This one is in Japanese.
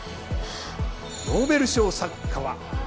ノーベル賞作家は？